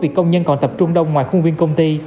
việc công nhân còn tập trung đông ngoài khuôn viên công ty